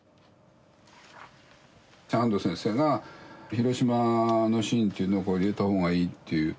半藤先生が広島のシーンというのをこう入れたほうがいいという。